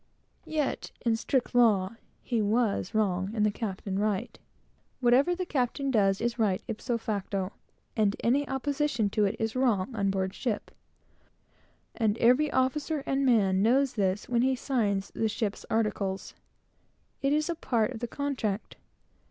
Yet he was wrong, and the captain right. Whatever the captain does is right, ipso facto, and any opposition to it is wrong, on board ship; and every officer and man knows this when he signs the ship's articles. It is a part of the contract.